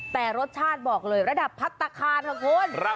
แต่รสชาติบอกเลยระดับพัฒนาคารค่ะคุณ